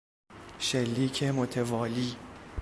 شلیک متوالی